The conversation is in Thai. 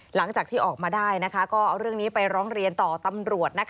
หลังจากที่ออกมาได้ก็เอาเรื่องนี้ไปร้องเรียนต่อตำรวจ